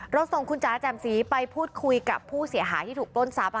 ส่งคุณจ๋าแจ่มสีไปพูดคุยกับผู้เสียหายที่ถูกปล้นทรัพย์